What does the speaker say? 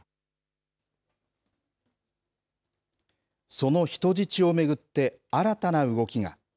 その人質を巡って、新たな動きが。